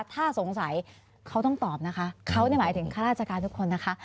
ถ้าสงสัยเขาต้องตอบนะคะเขานี่หมายถึงข้าราชการทุกคนนะคะ